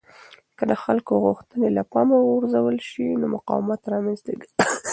که د خلکو غوښتنې له پامه وغورځول شي نو مقاومت رامنځته کېږي